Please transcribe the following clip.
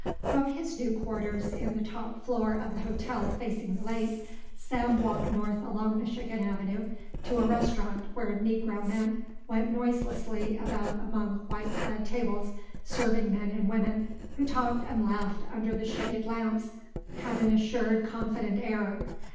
From his new quarters in the top floor of the hotel facing the lake, Sam walked north along Michigan Avenue to a restaurant where Negro men went noiselessly about among white clad tables, serving men and women who talked and laughed under the shaded lamps had an assured, confident air.